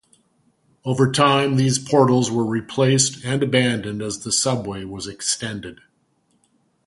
Over time, these portals were replaced and abandoned as the subway was extended.